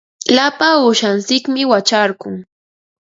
Lapa uushantsikmi wacharqun.